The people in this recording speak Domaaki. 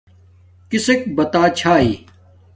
کسک بتا چھاݵ